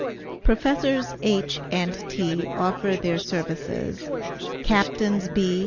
PROFESSORS H. AND T. OFFER THEIR SERVICES CAPTAINS B.